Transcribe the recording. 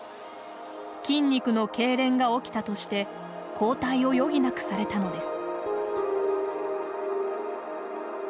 筋肉のけいれんが起きたとして交代を余儀なくされたのです。